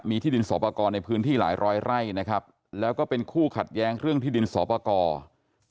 มีที่ดินสอบประกอบในพื้นที่หลายร้อยไร่นะครับแล้วก็เป็นคู่ขัดแย้งเรื่องที่ดินสอปกร